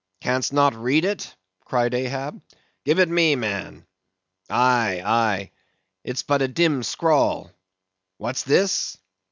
"Can'st not read it?" cried Ahab. "Give it me, man. Aye, aye, it's but a dim scrawl;—what's this?"